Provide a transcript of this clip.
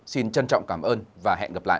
xin trân trọng cảm ơn và hẹn gặp lại